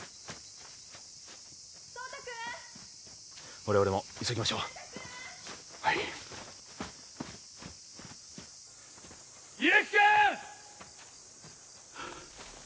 我々も急ぎましょうはい祐樹君！